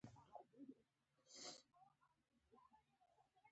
هغې د ښایسته خاطرو لپاره د پاک شګوفه سندره ویله.